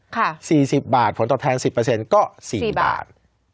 ค่ะ๔๐บาทผลตอบแทน๑๐เปอร์เซ็นต์ก็๔บาท